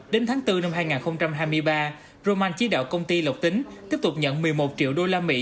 đến tháng bốn năm hai nghìn hai mươi ba roman chỉ đạo công ty lộc tính tiếp tục nhận một mươi một triệu usd